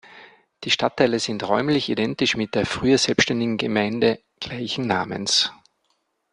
Die Stadtteile sind räumlich identisch mit der früher selbstständigen Gemeinden gleichen Namens.